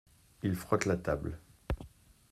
Il frotte la table.